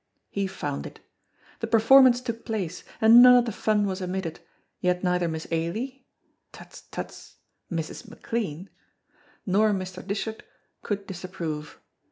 He found it. The performance took place, and none of the fun was omitted, yet neither Miss Ailie tuts, tuts Mrs. McLean nor Mr. Dishart could disapprove.